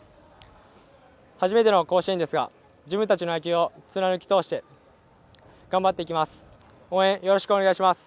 初めての甲子園ですが自分たちの野球を貫き通して頑張っていきます。